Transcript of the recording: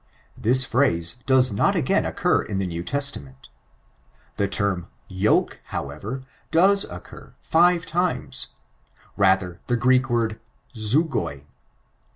This phrase does not again occur in the New Testament. The term yoke, however, does occur five times: rather the Greek word zug09.